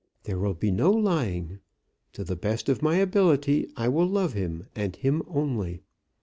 There will be no lying. To the best of my ability I will love him, and him only.